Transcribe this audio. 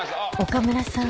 岡村さん